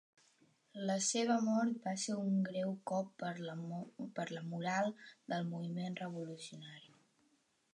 La seva mort va ser un greu cop per a la moral del moviment revolucionari.